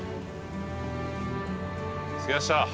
着きました！